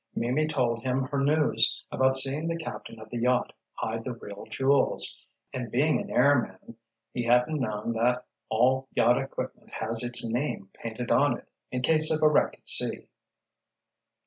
"Mimi told him her news, about seeing the captain of the yacht hide the real jewels—and being an airman, he hadn't known that all yacht equipment has its name painted on it in case of a wreck at sea."